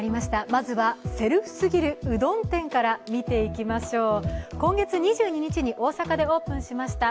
まずはセルフすぎるうどん店から見ていきましょう。